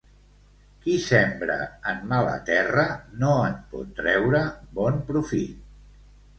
Qui sembra en mala terra no en pot treure bon fruit.